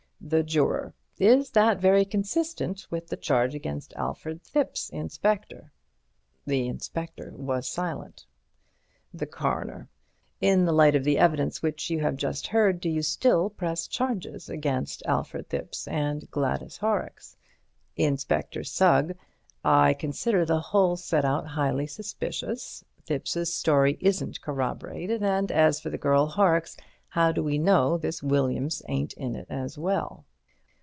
The Juror: Is that very consistent with the charge against Alfred Thipps, Inspector? The Inspector was silent. The Coroner: In the light of the evidence which you have just heard, do you still press the charge against Alfred Thipps and Gladys Horrocks? Inspector Sugg: I consider the whole set out highly suspicious. Thipps's story isn't corroborated, and as for the girl Horrocks, how do we know this Williams ain't in it as well?